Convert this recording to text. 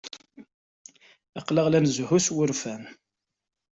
Aql-aɣ la nzehhu s wurfan.